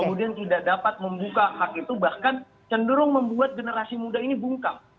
kemudian tidak dapat membuka hak itu bahkan cenderung membuat generasi muda ini bungkam